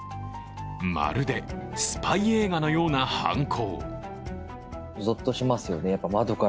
まるでスパイ映画のような犯行。